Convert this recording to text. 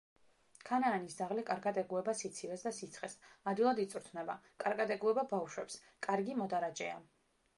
ქანაანის ძაღლი კარგად ეგუება სიცივეს და სიცხეს, ადვილად იწვრთნება, კარგად ეგუება ბავშვებს, კარგი მოდარაჯეა.